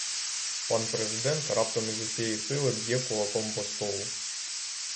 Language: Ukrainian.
Пан президент раптом із усієї сили б'є кулаком по столу.